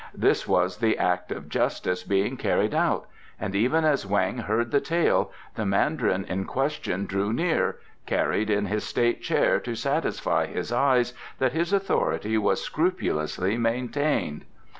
This was the act of justice being carried out, and even as Weng heard the tale the Mandarin in question drew near, carried in his state chair to satisfy his eyes that his authority was scrupulously maintained.